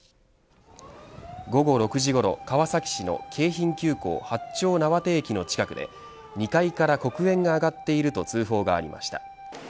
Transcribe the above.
午後６時ごろ、川崎市の京浜急行八丁畷駅の近くで２階から黒煙が上がっていると通報がありました。